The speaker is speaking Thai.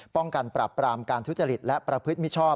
ป้องกันปรับปรามการทุจริตและประพฤติมิชชอบ